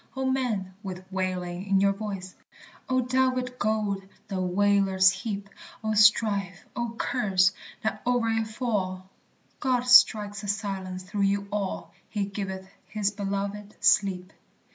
O men, with wailing in your voice! O delved gold the wailers heap! O strife, O curse, that o'er it fall! God strikes a silence through you all, "He giveth his beloved sleep."